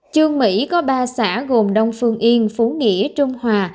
trương mỹ có ba xã gồm đông phương yên phú nghĩa trung hòa